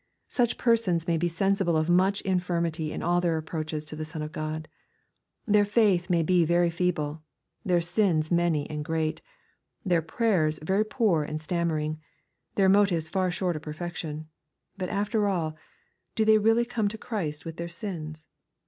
Such persons may be sensible of much infirmity in all their approaches to the Son of God. Their faith may be very feeble, — their sins many aj^d great, — their prayers very poor and stammering, — their motives far short csf perfection. But after all, do they really come to Christ with their sins